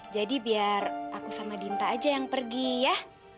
jadi biar aku sama dinta aja yang pergi ya